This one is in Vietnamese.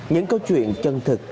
những câu chuyện chân thực